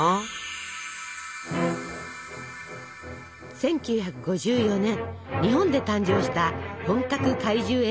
１９５４年日本で誕生した本格怪獣映画「ゴジラ」。